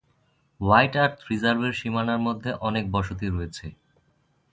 White Earth রিজার্ভের সীমানার মধ্যে অনেক বসতি রয়েছে।